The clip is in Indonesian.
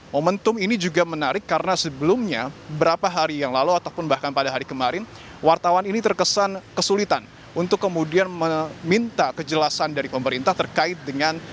momentum ini juga menarik karena sebelumnya beberapa hari yang lalu ataupun bahkan pada hari kemarin wartawan ini terkesan kesulitan untuk kemudian meminta kejelasan dari pemerintah terkait dengan